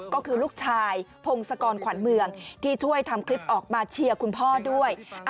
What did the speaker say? ก็คือลูกชายพงศกรขวัญเมืองที่ช่วยทำคลิปออกมาเชียร์คุณพ่อด้วย